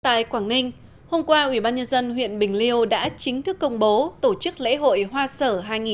tại quảng ninh hôm qua ủy ban nhân dân huyện bình liêu đã chính thức công bố tổ chức lễ hội hoa sở hai nghìn một mươi chín